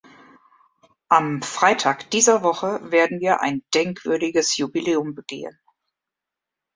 Am Freitag dieser Woche werden wir ein denkwürdiges Jubiläum begehen.